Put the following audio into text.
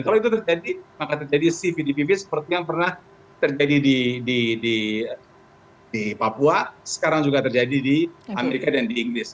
kalau itu terjadi maka terjadi cvdpv seperti yang pernah terjadi di papua sekarang juga terjadi di amerika dan di inggris